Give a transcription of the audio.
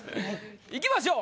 いきましょう。